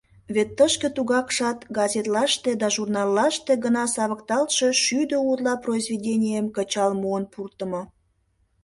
Вет тышке тугакшат газетлаште да журналлаште гына савыкталтше шӱдӧ утла произведенийым кычал муын пуртымо.